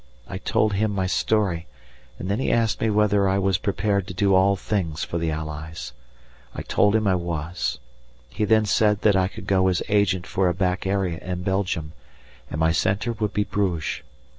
I told him my story, and then he asked me whether I was prepared to do all things for the Allies. I told him I was. He then said that I could go as agent for a back area in Belgium, and my centre would be Bruges.